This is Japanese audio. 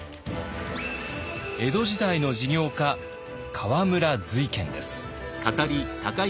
江戸時代の事業家河村瑞賢です。